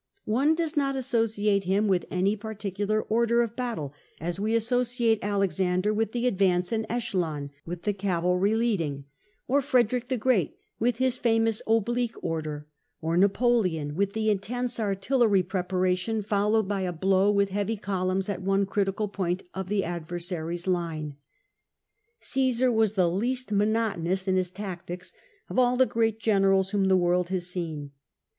One does not associate him with any particular order of battle, as we associate Alexander with the X CiESAR 322 advance in Schelon with the cavalry leading, or Frederic the Great with his famous oblique order/' or Napoleon with the intense artillery preparation followed by a blow with heavy columns at one critical point of the adver saries' line. Gmsar was the least monotonous in his tactics of all the great generals whom the world has seen.